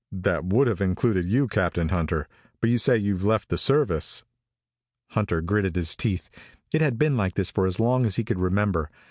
That would have included you, Captain Hunter, but you say you've left the service." Hunter gritted his teeth. It had been like this for as long as he could remember.